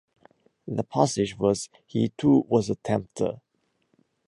The passage was: He too was a tempter.